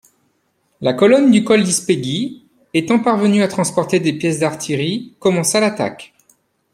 La colonne du col d'Ispéguy, étant parvenue à transporter des pièces d'artillerie, commença l'attaque.